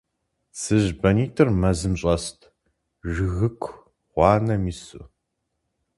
ЦыжьбанитӀыр мэзым щӀэст, жыгыку гъуанэм ису.